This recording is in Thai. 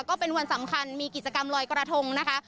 ก็เป็นวันสำคัญมีกิจกรรมลอยกระทงนะคะ